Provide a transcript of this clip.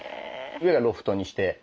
上がロフトにして。